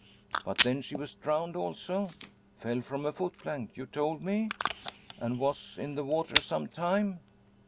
"But then she was drowned also? Fell from a foot plank, you told me? And was in the water some time?"